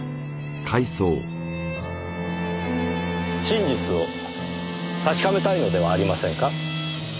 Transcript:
真実を確かめたいのではありませんか？